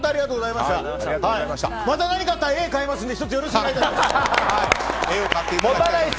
また何かあったら絵買いますのでよろしくお願いします。